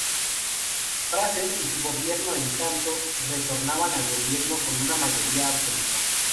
Fraser y su gobierno en tanto, retornan al gobierno con una mayoría absoluta.